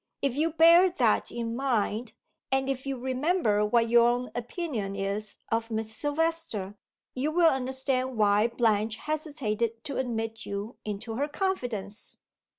If you bear that in mind and if you remember what your own opinion is of Miss Silvester you will understand why Blanche hesitated to admit you into her confidence."